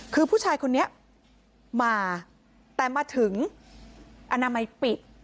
คือผู้ชายคนนี้มาแต่มาถึงอนามัยปิด